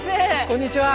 こんにちは。